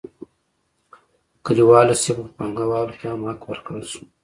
کلیوالو سیمو پانګوالو ته هم حق ورکړل شو.